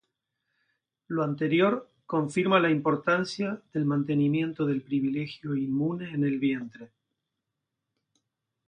Lo anterior confirma la importancia del mantenimiento del privilegio inmune en el vientre.